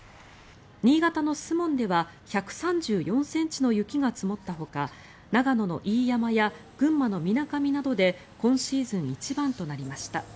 新潟の守門では１３４ｃｍの雪が積もったほか長野の飯山や群馬のみなかみなどで今シーズン一番となりました。